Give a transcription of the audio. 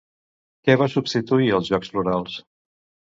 Què va substituir als Jocs Florals?